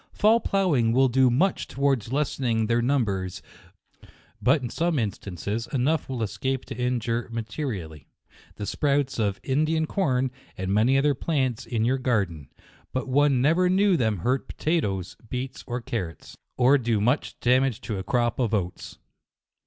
Fall plough ing will do much towards lessening their num bers 5 but h some instances, enough will es cape to injure materially, the sprouts of In dian corn and many other plants in your gar den ; but 1 never knew them hurt potatoes, beets or carrots, or do much damage to a crop of oats.